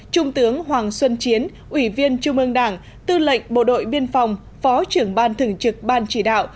trung tướng hoàng xuân chiến ủy viên trung ương đảng tư lệnh bộ đội biên phòng phó trưởng ban thường trực ban chỉ đạo